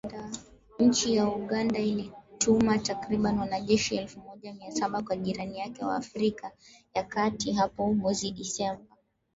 Nchi ya Uganda ilituma takribani wanajeshi elfu moja mia saba kwa jirani yake wa Afrika ya kati hapo mwezi Disemba